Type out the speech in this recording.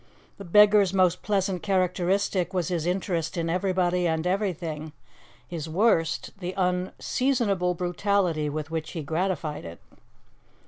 The beggar's most pleasant characteristic was his interest in everybody and everything; his worst, the unseasonable brutality with which he gratified it.